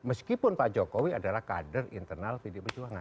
meskipun pak jokowi adalah kader internal pd pejuangan